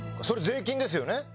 それ税金ですよね？